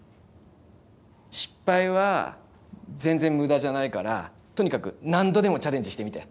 失敗は全然無駄じゃないからとにかく何度でもチャレンジしてみて。